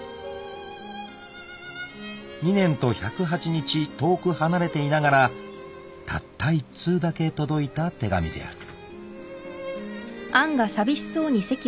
［２年と１０８日遠く離れていながらたった１通だけ届いた手紙である］